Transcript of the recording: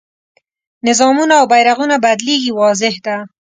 نظامونه او بیرغونه بدلېږي واضح ده.